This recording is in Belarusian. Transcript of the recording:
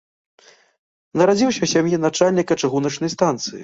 Нарадзіўся ў сям'і начальніка чыгуначнай станцыі.